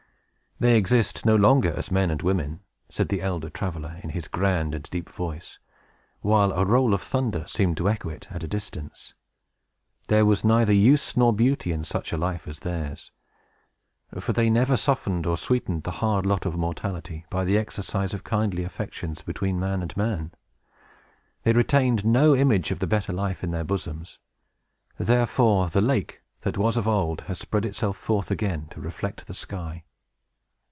"They exist no longer as men and women," said the elder traveler, in his grand and deep voice, while a roll of thunder seemed to echo it at a distance. "There was neither use nor beauty in such a life as theirs; for they never softened or sweetened the hard lot of mortality by the exercise of kindly affections between man and man. They retained no image of the better life in their bosoms; therefore, the lake, that was of old, has spread itself forth again, to reflect the sky!"